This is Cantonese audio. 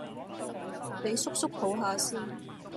俾叔叔抱吓先